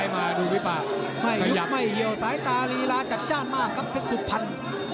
ไม่หยุดไม่เหี่ยวสายตารีระจัดจานมากครับเพศสุพันธ์